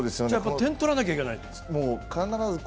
点取らなきゃいけない。